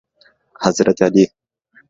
حضرت علی